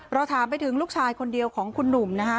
ถามไปถึงลูกชายคนเดียวของคุณหนุ่มนะคะ